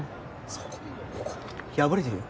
そこここ破れてるよ